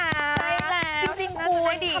ใช่แล้วทำหน้าจนได้ดี